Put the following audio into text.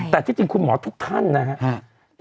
แต่ที่จริงคุณหมอทุกท่านนะครับ